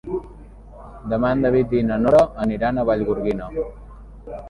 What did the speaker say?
Demà en David i na Nora aniran a Vallgorguina.